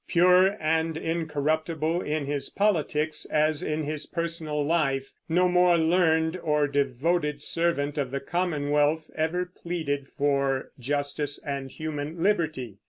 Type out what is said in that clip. Pure and incorruptible in his politics as in his personal life, no more learned or devoted servant of the Commonwealth ever pleaded for justice and human liberty.